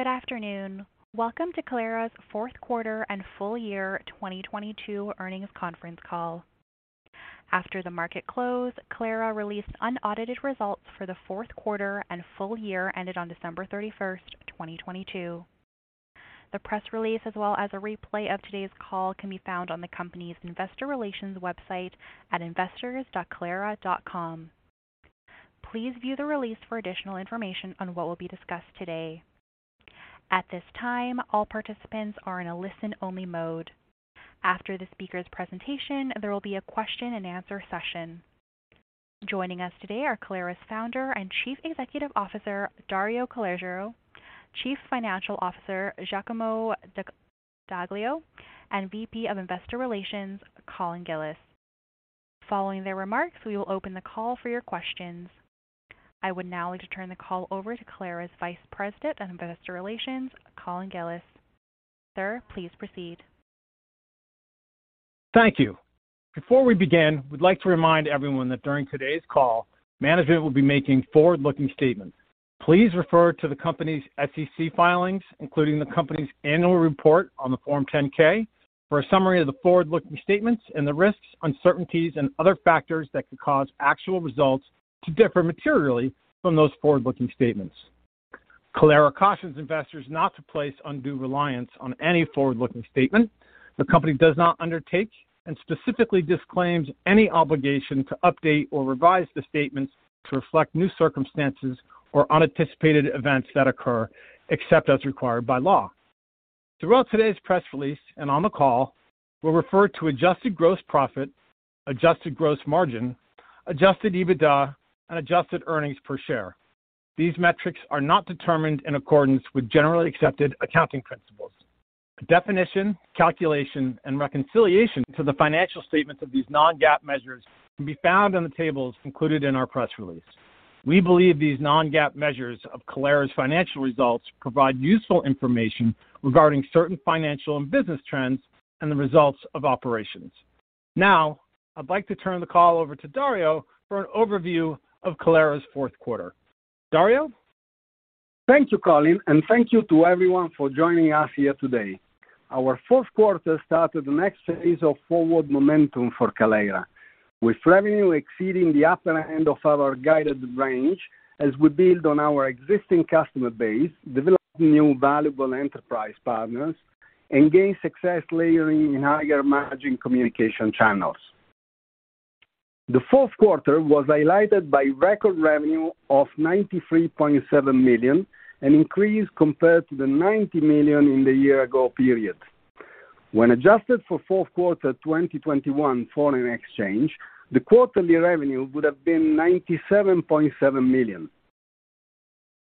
Good afternoon. Welcome to Kaleyra's Fourth Quarter and Full Year 2022 Earnings Conference Call. After the market closed, Kaleyra released unaudited results for the fourth quarter and full year ended on December 31st, 2022. The press release, as well as a replay of today's call, can be found on the company's investor relations website at investors.kaleyra.com. Please view the release for additional information on what will be discussed today. At this time, all participants are in a listen-only mode. After the speaker's presentation, there will be a question and answer session. Joining us today are Kaleyra's Founder and Chief Executive Officer, Dario Calogero, Chief Financial Officer, Giacomo Dall'Aglio, and VP of Investor Relations, Colin Gillis. Following their remarks, we will open the call for your questions. I would now like to turn the call over to Kaleyra's Vice President of Investor Relations, Colin Gillis. Sir, please proceed. Thank you. Before we begin, we'd like to remind everyone that during today's call, management will be making forward-looking statements. Please refer to the company's SEC filings, including the company's annual report on the form 10-K, for a summary of the forward-looking statements and the risks, uncertainties and other factors that could cause actual results to differ materially from those forward-looking statements. Kaleyra cautions investors not to place undue reliance on any forward-looking statement. The company does not undertake and specifically disclaims any obligation to update or revise the statements to reflect new circumstances or unanticipated events that occur, except as required by law. Throughout today's press release and on the call, we'll refer to adjusted gross profit, adjusted gross margin, adjusted EBITDA, and adjusted earnings per share. These metrics are not determined in accordance with generally accepted accounting principles. Definition, calculation, and reconciliation to the financial statements of these non-GAAP measures can be found on the tables included in our press release. We believe these non-GAAP measures of Kaleyra's financial results provide useful information regarding certain financial and business trends and the results of operations. Now, I'd like to turn the call over to Dario for an overview of Kaleyra's fourth quarter. Dario? Thank you, Colin, thank you to everyone for joining us here today. Our fourth quarter started the next phase of forward momentum for Kaleyra. With revenue exceeding the upper end of our guided range as we build on our existing customer base, developing new valuable enterprise partners, and gain success layering in higher margin communication channels. The fourth quarter was highlighted by record revenue of $93.7 million, an increase compared to the $90 million in the year-ago period. When adjusted for fourth quarter 2021 foreign exchange, the quarterly revenue would have been $97.7 million.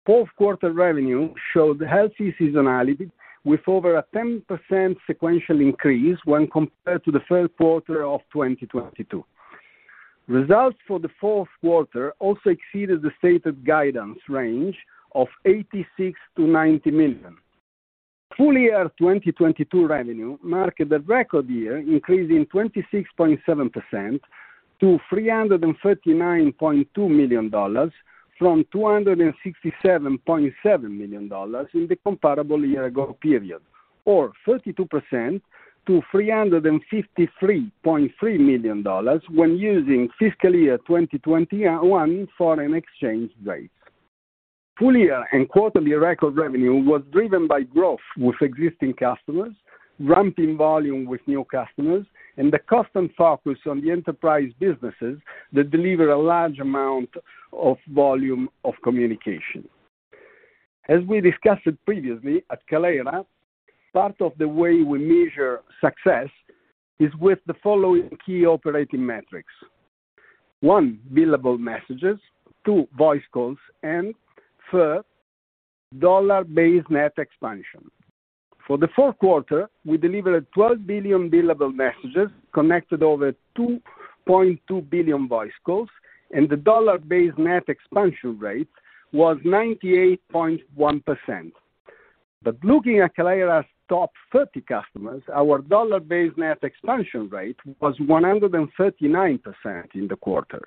Fourth quarter revenue showed healthy seasonality with over a 10% sequential increase when compared to the third quarter of 2022. Results for the fourth quarter also exceeded the stated guidance range of $86 million-$90 million. Full year 2022 revenue marked a record year, increasing 26.7% to $339.2 million from $267.7 million in the comparable year ago period, or 32% to $353.3 million when using fiscal year 2021 foreign exchange rates. Full year and quarterly record revenue was driven by growth with existing customers, ramping volume with new customers, and the constant focus on the enterprise businesses that deliver a large amount of volume of communication. As we discussed previously, at Kaleyra, part of the way we measure success is with the following key operating metrics. One, billable messages, two, voice calls, and third, dollar-based net expansion. For the fourth quarter, we delivered 12 billion billable messages, connected over 2.2 billion voice calls, and the Dollar-Based Net Expansion Rate was 98.1%. Looking at Kaleyra's top 30 customers, our Dollar-Based Net Expansion Rate was 139% in the quarter.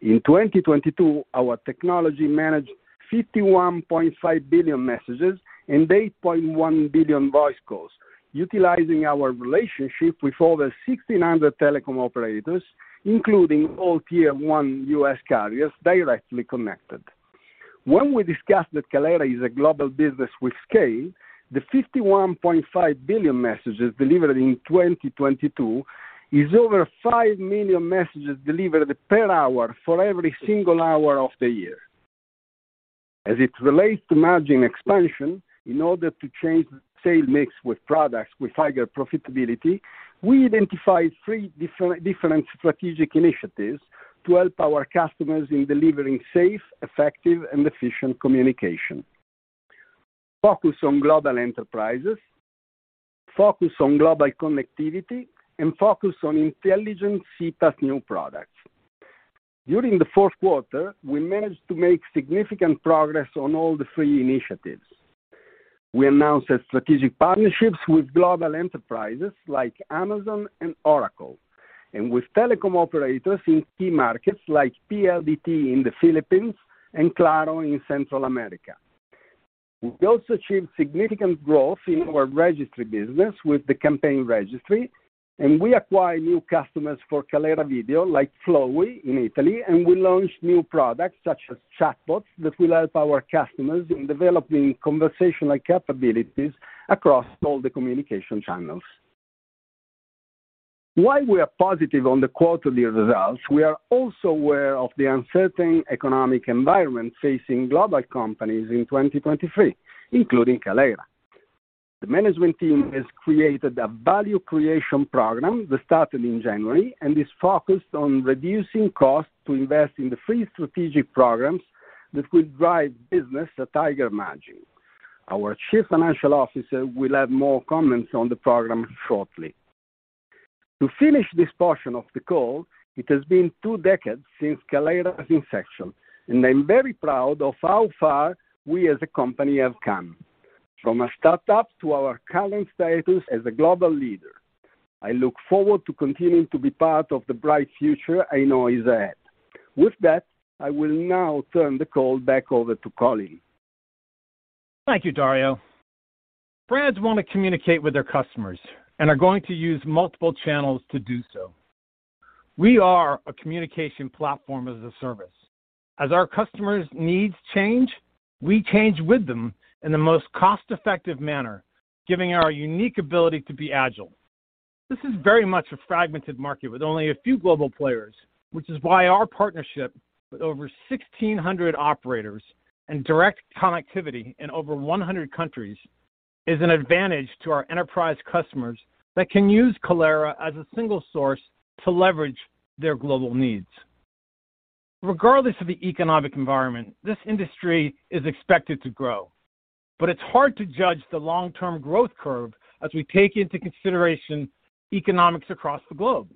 In 2022, our technology managed 51.5 billion messages and 8.1 billion voice calls, utilizing our relationship with over 1,600 telecom operators, including all Tier 1 U.S. carriers directly connected. When we discussed that Kaleyra is a global business with scale, the 51.5 billion messages delivered in 2022 is over 5 million messages delivered per hour for every single hour of the year. As it relates to margin expansion, in order to change sale mix with products with higher profitability, we identified three different strategic initiatives to help our customers in delivering safe, effective, and efficient communication. Focus on global enterprises, focus on global connectivity, and focus on intelligent CPaaS new products. During the fourth quarter, we managed to make significant progress on all the three initiatives. We announced strategic partnerships with global enterprises like Amazon and Oracle. With telecom operators in key markets like PLDT in the Philippines and Claro in Central America. We also achieved significant growth in our registry business with The Campaign Registry, and we acquired new customers for Kaleyra Video like Flowe in Italy, and we launched new products such as Chatbot that will help our customers in developing conversational capabilities across all the communication channels. While we are positive on the quarterly results, we are also aware of the uncertain economic environment facing global companies in 2023, including Kaleyra. The management team has created a value creation program that started in January and is focused on reducing costs to invest in the three strategic programs that will drive business at higher margin. Our Chief Financial Officer will have more comments on the program shortly. To finish this portion of the call, it has been two decades since Kaleyra's inception. I'm very proud of how far we as a company have come. From a startup to our current status as a global leader. I look forward to continuing to be part of the bright future I know is ahead. With that, I will now turn the call back over to Colin. Thank you, Dario. Brands wanna communicate with their customers and are going to use multiple channels to do so. We are a Communications Platform as a Service. As our customers' needs change, we change with them in the most cost-effective manner, giving our unique ability to be agile. This is very much a fragmented market with only a few global players, which is why our partnership with over 1,600 operators and direct connectivity in over 100 countries is an advantage to our enterprise customers that can use Kaleyra as a single source to leverage their global needs. Regardless of the economic environment, this industry is expected to grow. It's hard to judge the long-term growth curve as we take into consideration economics across the globe.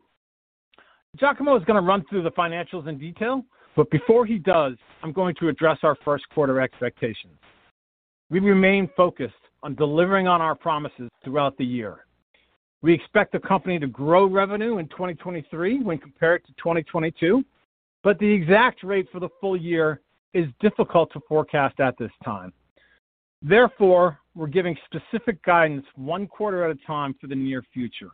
Giacomo is gonna run through the financials in detail, but before he does, I'm going to address our first quarter expectations. We remain focused on delivering on our promises throughout the year. We expect the company to grow revenue in 2023 when compared to 2022, but the exact rate for the full year is difficult to forecast at this time. We're giving specific guidance one quarter at a time for the near future.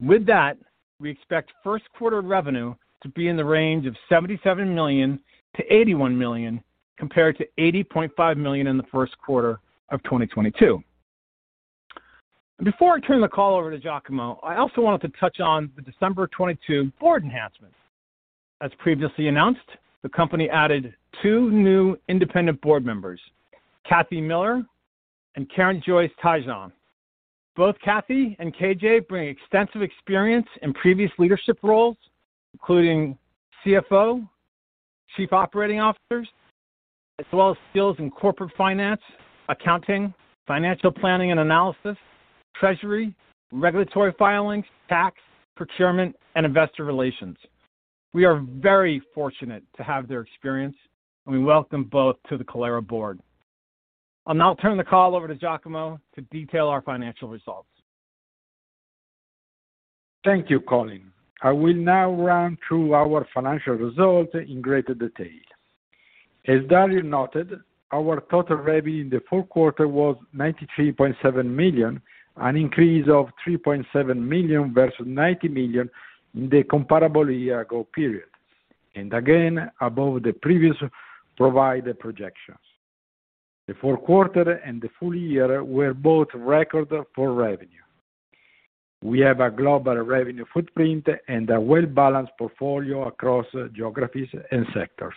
With that, we expect first quarter revenue to be in the range of $77 million-$81 million compared to $80.5 million in the first quarter of 2022. Before I turn the call over to Giacomo, I also wanted to touch on the December 2022 board enhancements. As previously announced, the company added two new independent board members, Kathy Miller and Karin-Joyce Tjon. Both Kathy and KJ bring extensive experience in previous leadership roles, including CFO, chief operating officers, as well as skills in corporate finance, accounting, financial planning and analysis, treasury, regulatory filings, tax, procurement, and investor relations. We are very fortunate to have their experience, and we welcome both to the Kaleyra board. I'll now turn the call over to Giacomo to detail our financial results. Thank you, Colin. I will now run through our financial results in greater detail. As Dario noted, our total revenue in the fourth quarter was $93.7 million, an increase of $3.7 million versus $90 million in the comparable year ago period. Again, above the previous provided projections. The fourth quarter and the full year were both record for revenue. We have a global revenue footprint and a well-balanced portfolio across geographies and sectors.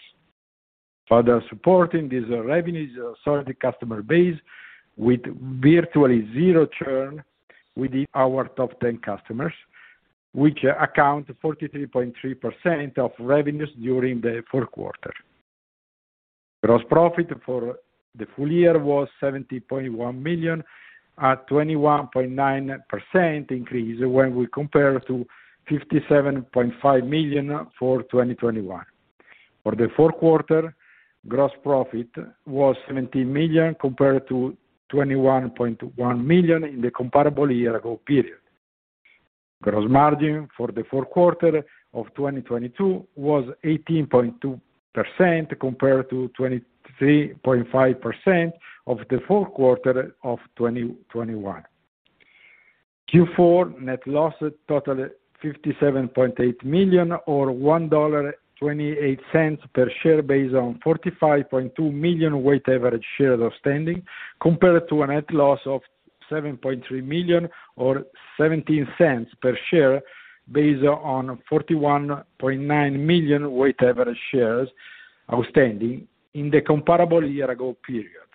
Further supporting this revenue is a solid customer base with virtually zero churn within our top 10 customers, which account 43.3% of revenues during the fourth quarter. Gross profit for the full year was $70.1 million at 21.9% increase when we compare to $57.5 million for 2021. For the fourth quarter, gross profit was $17 million compared to $21.1 million in the comparable year-ago period. Gross margin for the fourth quarter of 2022 was 18.2% compared to 23.5% of the fourth quarter of 2021. Q4 net loss totaled $57.8 million or $1.28 per share based on 45.2 million weighted average shares outstanding compared to a net loss of $7.3 million or $0.17 per share based on 41.9 million weighted average shares outstanding in the comparable year-ago period.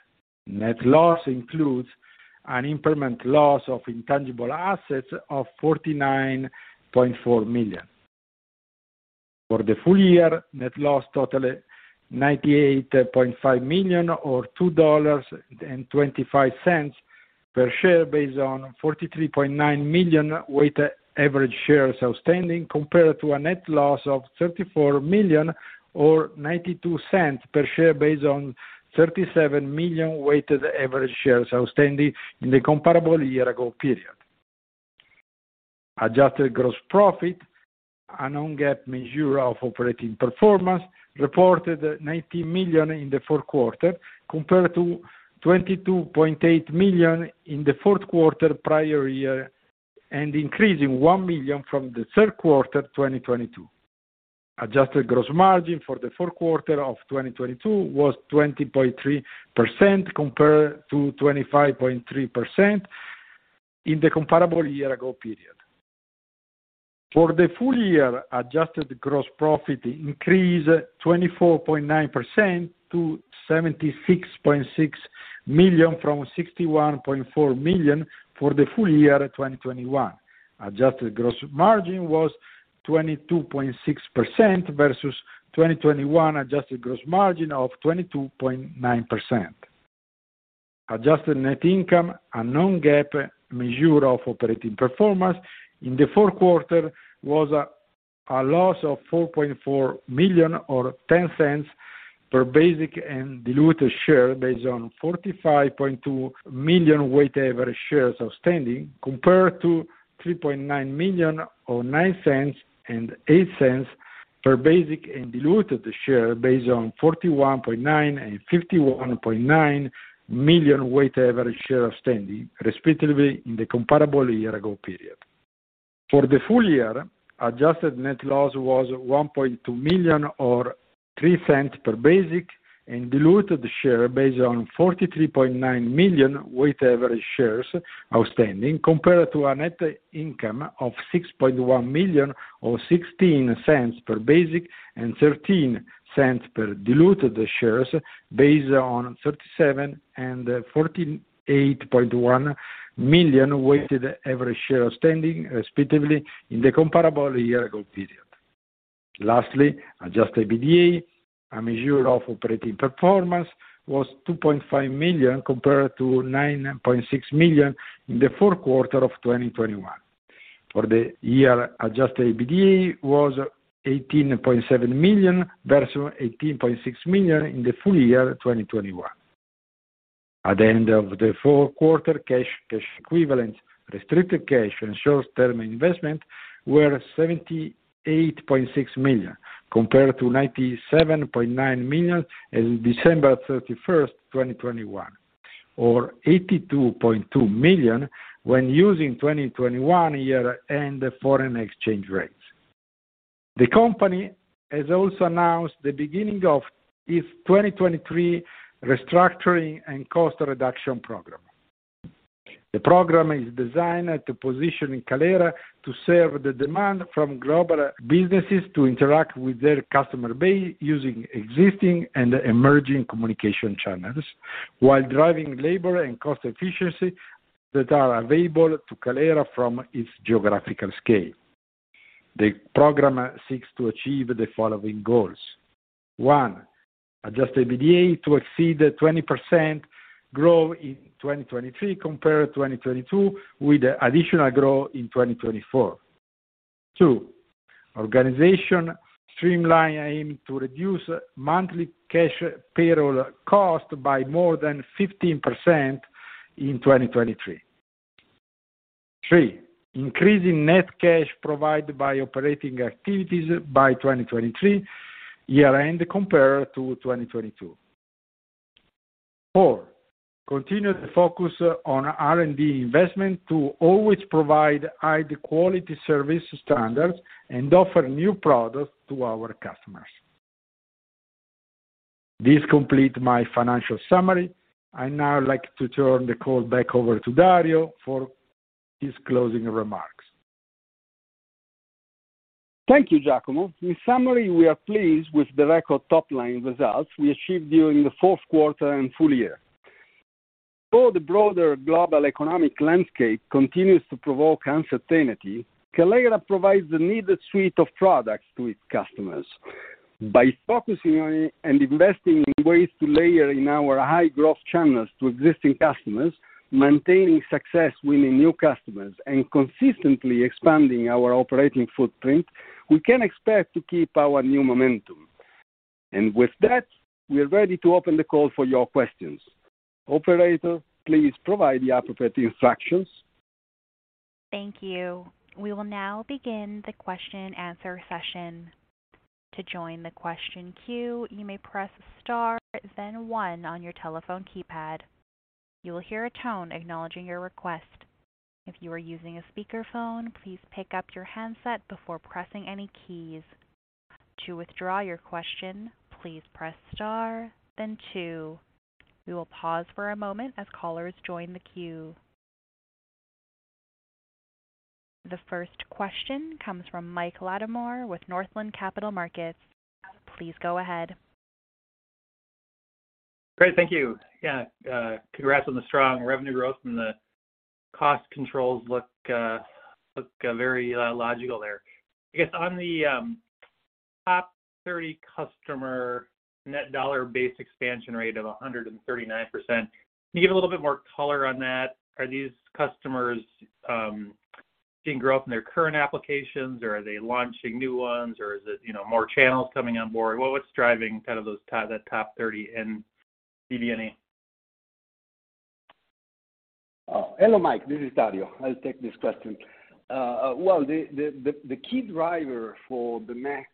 Net loss includes an impairment loss of intangible assets of $49.4 million. For the full year, net loss totaled $98.5 million or $2.25 per share based on 43.9 million weighted average shares outstanding compared to a net loss of $34 million or $0.92 per share based on 37 million weighted average shares outstanding in the comparable year-ago period. Adjusted gross profit, a non-GAAP measure of operating performance, reported $19 million in the fourth quarter compared to $22.8 million in the fourth quarter prior year and increasing $1 million from the third quarter 2022. Adjusted gross margin for the fourth quarter of 2022 was 20.3% compared to 25.3% in the comparable year-ago period. For the full year, adjusted gross profit increased 24.9% to $76.6 million from $61.4 million for the full year 2021. Adjusted gross margin was 22.6% versus 2021 adjusted gross margin of 22.9%. Adjusted net income, a non-GAAP measure of operating performance in the fourth quarter was a loss of $4.4 million or $0.10 per basic and diluted share based on 45.2 million weighted average shares outstanding compared to $3.9 million or $0.09 and $0.08 per basic and diluted share based on 41.9 and 51.9 million weighted average shares outstanding, respectively in the comparable year-ago period. For the full year, adjusted net loss was $1.2 million or $0.03 per basic and diluted share based on 43.9 million weighted average shares outstanding compared to a net income of $6.1 million or $0.16 per basic and $0.13 per diluted shares based on 37 and 48.1 million weighted average shares outstanding, respectively in the comparable year-ago period. Lastly, adjusted EBITDA, a measure of operating performance, was $2.5 million compared to $9.6 million in the fourth quarter of 2021. For the year, adjusted EBITDA was $18.7 million versus $18.6 million in the full year 2021. At the end of the fourth quarter, cash equivalents, restricted cash and short-term investments were $78.6 million, compared to $97.9 million as December 31st, 2021, or $82.2 million when using 2021 year-end foreign exchange rates. The company has also announced the beginning of its 2023 restructuring and cost reduction program. The program is designed to position Kaleyra to serve the demand from global businesses to interact with their customer base using existing and emerging communication channels while driving labor and cost efficiency that are available to Kaleyra from its geographical scale. The program seeks to achieve the following goals. One, adjust EBITDA to exceed 20% growth in 2023 compared to 2022 with additional growth in 2024. Two, organization streamline aiming to reduce monthly cash payroll cost by more than 15% in 2023. Three, increase in net cash provided by operating activities by 2023 year-end compared to 2022. Four, continued focus on R&D investment to always provide high quality service standards and offer new products to our customers. This complete my financial summary. I'd now like to turn the call back over to Dario for his closing remarks. Thank you, Giacomo. In summary, we are pleased with the record top-line results we achieved during the fourth quarter and full year. Though the broader global economic landscape continues to provoke uncertainty, Kaleyra provides the needed suite of products to its customers. By focusing on and investing in ways to layer in our high growth channels to existing customers, maintaining success, winning new customers, and consistently expanding our operating footprint, we can expect to keep our new momentum. With that, we are ready to open the call for your questions. Operator, please provide the appropriate instructions. Thank you. We will now begin the question and answer session. To join the question queue, you may press star then one on your telephone keypad. You will hear a tone acknowledging your request. If you are using a speakerphone, please pick up your handset before pressing any keys. To withdraw your question, please press star then two. We will pause for a moment as callers join the queue. The first question comes from Mike Latimore with Northland Capital Markets. Please go ahead. Great. Thank you. Yeah, congrats on the strong revenue growth, and the cost controls look very logical there. I guess on the top 30 customer Net Dollar-Based Expansion Rate of 139%, can you give a little bit more color on that? Are these customers seeing growth in their current applications, or are they launching new ones, or is it, you know, more channels coming on board? What's driving kind of that top 30 in DBNER? Hello, Mike. This is Dario. I'll take this question. Well, the key driver for the net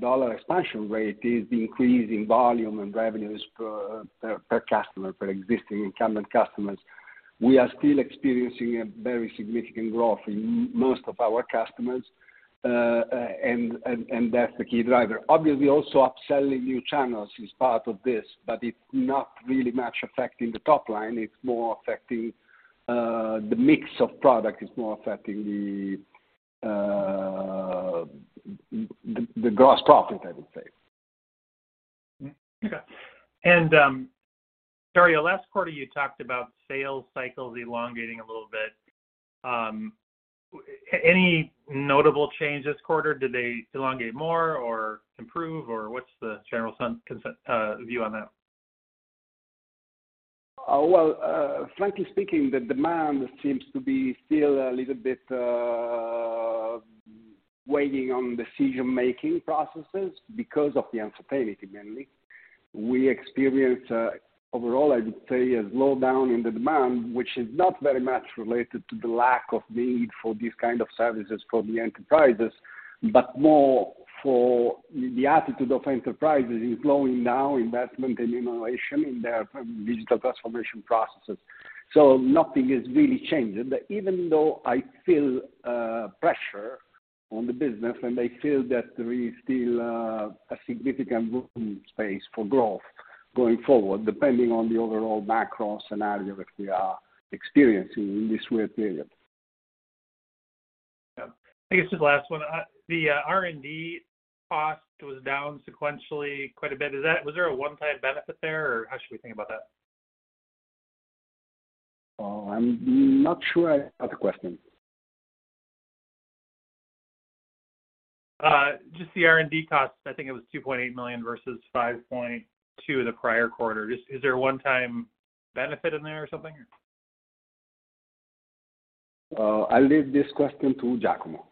Dollar expansion rate is the increase in volume and revenues per customer, per existing incumbent customers. We are still experiencing a very significant growth in most of our customers, and that's the key driver. Obviously, also upselling new channels is part of this, but it's not really much affecting the top line. It's more affecting the mix of product. It's more affecting the gross profit, I would say. Okay. Dario, last quarter you talked about sales cycles elongating a little bit. Any notable change this quarter? Did they elongate more or improve or what's the general sense, view on that? Well, frankly speaking, the demand seems to be still a little bit waiting on decision-making processes because of the uncertainty mainly. We experience, overall, I would say, a slowdown in the demand, which is not very much related to the lack of need for these kind of services for the enterprises, but more for the attitude of enterprises in slowing down investment and innovation in their digital transformation processes. Nothing has really changed. Even though I feel pressure on the business, and I feel that there is still a significant room space for growth going forward, depending on the overall macro scenario that we are experiencing in this weird period. Yeah. I guess the last one. The R&D cost was down sequentially quite a bit. Was there a one-time benefit there, or how should we think about that? Well, I'm not sure at the question. Just the R&D cost, I think it was $2.8 million versus $5.2 million the prior quarter. Is there a one-time benefit in there or something? I leave this question to Giacomo.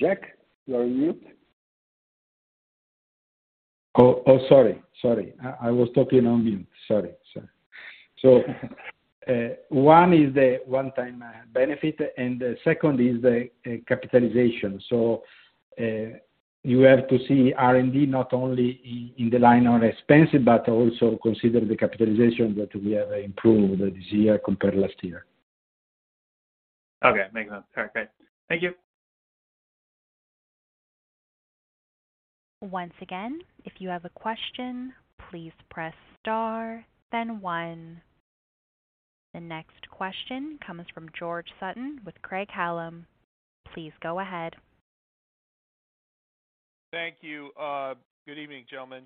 Giac, you're on mute. Sorry. Sorry. I was talking on mute. Sorry. Sorry. One is a one-time benefit, and the second is a capitalization. You have to see R&D not only in the line on expensive but also consider the capitalization that we have improved this year compared to last year. Okay. Makes sense. All right, great. Thank you. Once again, if you have a question, please press star then one. The next question comes from George Sutton with Craig-Hallum. Please go ahead. Thank you. Good evening, gentlemen.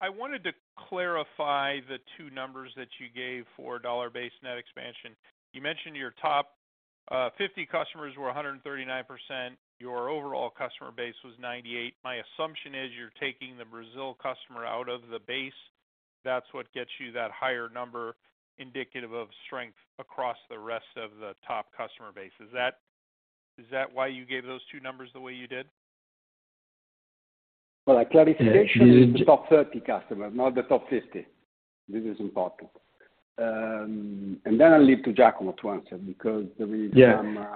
I wanted to clarify the two numbers that you gave for Dollar-Based Net Expansion. You mentioned your top, 50 customers were 139%. Your overall customer base was 98%. My assumption is you're taking the Brazil customer out of the base. That's what gets you that higher number indicative of strength across the rest of the top customer base. Is that why you gave those two numbers the way you did? Well, a clarification. It's the top 30 customers, not the top 50. This is important. I'll leave to Giacomo to answer because there is some.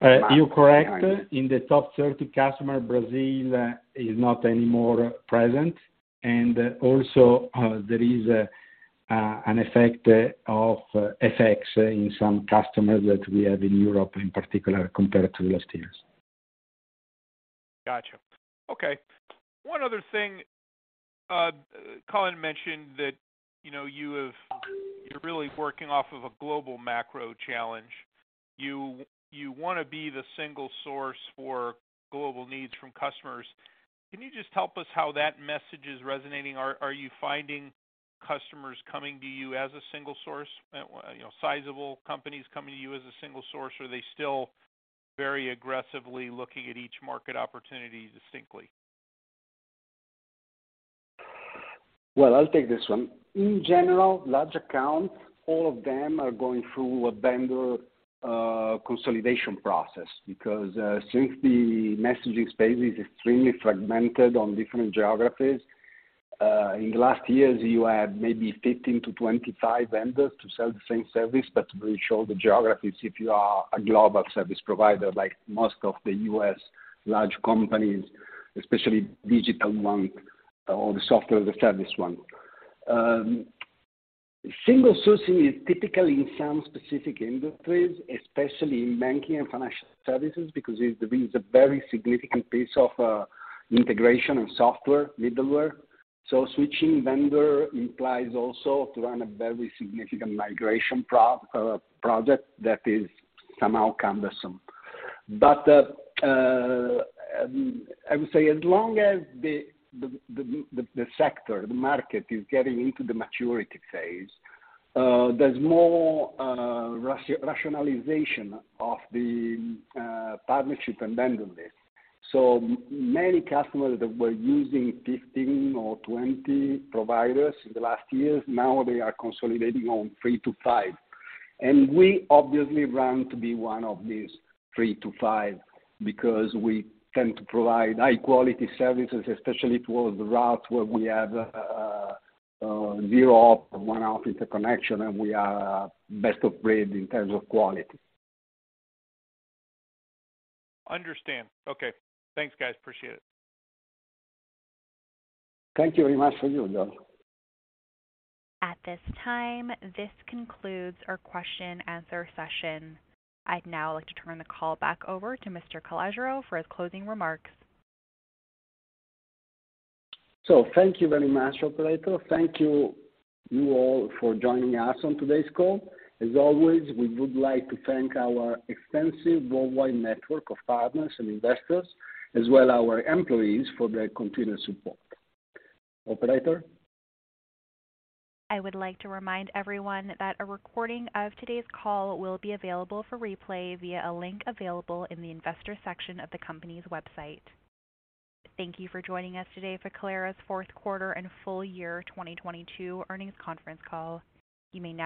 Yeah. You're correct. In the top 30 customer, Brazil, is not anymore present. There is an effect of FX in some customers that we have in Europe in particular, compared to last year's. Gotcha. Okay. One other thing. Colin mentioned that, you know, you're really working off of a global macro challenge. You wanna be the single source for global needs from customers. Can you just help us how that message is resonating? Are you finding customers coming to you as a single source? You know, sizable companies coming to you as a single source, or are they still very aggressively looking at each market opportunity distinctly? Well, I'll take this one. In general, large accounts, all of them are going through a vendor consolidation process because since the messaging space is extremely fragmented on different geographies, in the last years, you had maybe 15-25 vendors to sell the same service. We show the geographies, if you are a global service provider, like most of the U.S. large companies, especially digital one or the software as a service one. Single sourcing is typically in some specific industries, especially in banking and financial services, because it brings a very significant piece of integration and software middleware. Switching vendor implies also to run a very significant migration project that is somehow cumbersome. But I would say as long as the sector, the market is getting into the maturity phase, there's more rationalization of the partnership and vendor list. Many customers that were using 15 or 20 providers in the last years, now they are consolidating on three to five. We obviously run to be one of these three to five because we tend to provide high-quality services, especially towards the route where we have zero or one opt-in connection, and we are best of breed in terms of quality. Understand. Okay. Thanks, guys. Appreciate it. Thank you very much for your job. At this time, this concludes our question and answer session. I'd now like to turn the call back over to Mr. Calogero for his closing remarks. Thank you very much, operator. Thank you all for joining us on today's call. As always, we would like to thank our extensive worldwide network of partners and investors, as well our employees for their continued support. Operator. I would like to remind everyone that a recording of today's call will be available for replay via a link available in the investor section of the company's website. Thank you for joining us today for Kaleyra's fourth quarter and full year 2022 earnings conference call. You may now disconnect.